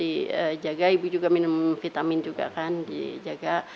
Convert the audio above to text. di jaga ibu juga minum vitamin juga kan di jaga